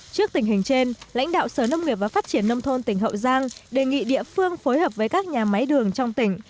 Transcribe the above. trước tình hình trên lãnh đạo sở nông nghiệp và phát triển nông thôn tỉnh hậu giang đề nghị địa phương phối hợp với các nhà máy đường trong tỉnh